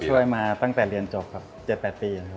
มาตั้งแต่เรียนจบครับ๗๘ปีนะครับ